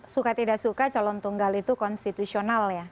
suka tidak suka calon tunggal itu konstitusional ya